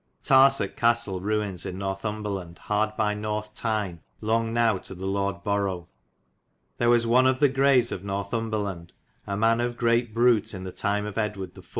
Tarset Castelle ruines in Northumbreland hard by north Tyne long now to the Lord Borow. There was one of the Grays of Northumbrelande a man of greate brute in the tyme of Edwarde the 4.